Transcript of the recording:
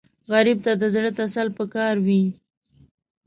غریب ته د زړه تسل پکار وي